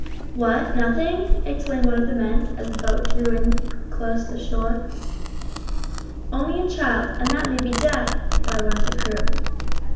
"What, nothing!" exclaimed one of the men, as the boat drew close in shore. "Only a child, and that may be dead," shouted one of the crew.